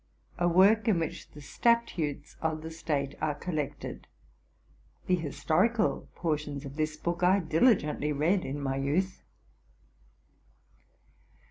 a work in which the statutes of the state are collected. The histori cal portions of this book I diligently read in my youth.